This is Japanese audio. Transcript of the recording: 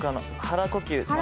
「腹呼吸」？